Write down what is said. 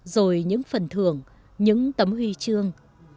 rồi những phần thường những tấm huy chương